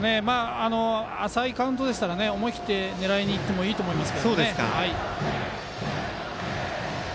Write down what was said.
浅いカウントでしたら思い切って狙いにいっていいと思います。